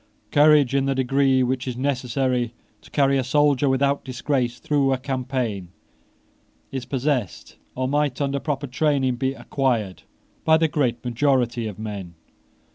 Courage, in the degree which is necessary to carry a soldier without disgrace through a campaign, is possessed, or might, under proper training, be acquired, by the great majority of men.